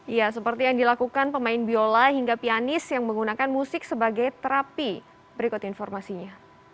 ya seperti yang dilakukan pemain biola hingga pianis yang menggunakan musik sebagai terapi berikut informasinya